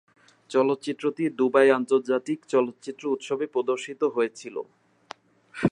চলচ্চিত্রটি দুবাই আন্তর্জাতিক চলচ্চিত্র উৎসবে প্রদর্শিত হয়েছিল।